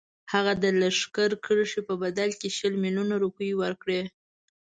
هغه د لښکرکښۍ په بدل کې شل میلیونه روپۍ ورکړي.